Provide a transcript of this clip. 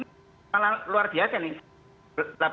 ini luar biasa nih